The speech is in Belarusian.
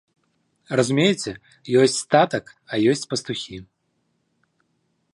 Разумееце, ёсць статак, а ёсць пастухі.